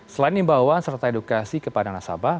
selain imbauan serta edukasi kepada nasabah